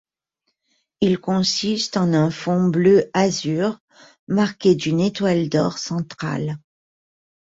Il consiste en un fond bleu azur marqué d'une étoile d'or centrale.